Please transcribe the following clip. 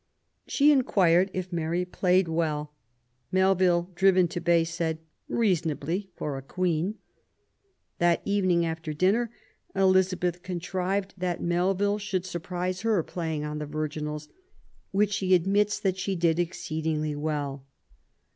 She inquired if Mary played well. Melville, driven to bay, said :" reasonably for a Queen ". That evening, after dinner, Elizabeth contrived that Melville should surprise her playing on the virginals, which he admits that she did exceedingly well.